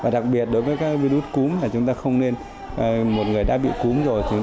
để tránh lây dụng